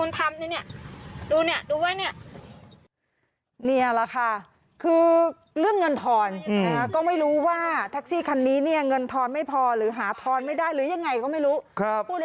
ก้อนในรถกูบันทึกไว้หมด